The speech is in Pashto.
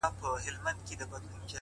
اخلاص د عمل روح دی.!